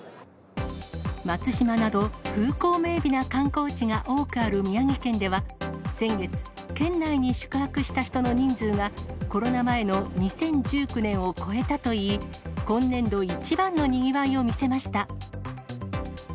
松島など、風光明媚な観光地が多くある宮城県では、先月、県内に宿泊した人の人数がコロナ前の２０１９年を超えたといい、今年度一番のにぎわいを見せました。